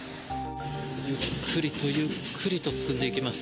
ゆっくりとゆっくりと進んでいきます。